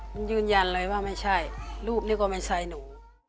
มันยืนยันเลยว่าไม่ใช่รูปนี่ก็ไม่ใช่หนู